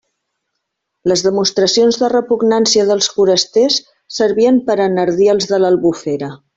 Les demostracions de repugnància dels forasters servien per a enardir els de l'Albufera.